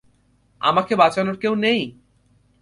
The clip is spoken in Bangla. আমাকে বাঁচানোর কেউ নেই?